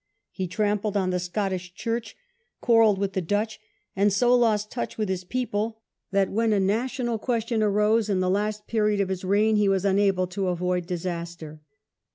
He trampled on the Scottish Church, quarrelled with the Dutch, and so lost touch with his people that when a national question arose in the last period of his reign he was unable to avoid disaster.